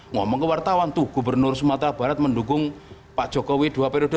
ngomong ke wartawan tuh gubernur sumatera barat mendukung pak jokowi dua periode